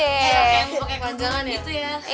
iya kayak mau pakai kelajaran gitu ya